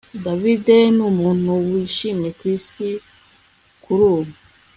David numuntu wishimye kwisi kurubu